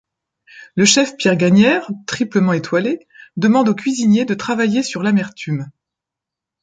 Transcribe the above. Le chef Pierre Gagnaire, triplement étoilé, demande aux cuisiniers de travailler sur l'amertume.